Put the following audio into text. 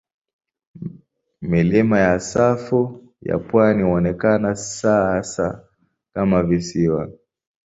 Milima ya safu ya pwani huonekana sasa kama visiwa.